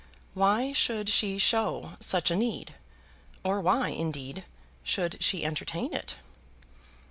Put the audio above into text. Why should she show such a need? Or why, indeed, should she entertain it?